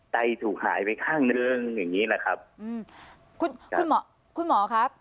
ถูกหายไปข้างหนึ่งอย่างงี้แหละครับอืมคุณคุณหมอคุณหมอครับ